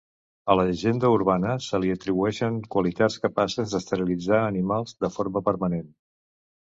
A la llegenda urbana se li atribueixen qualitats capaces d'esterilitzar animals de forma permanent.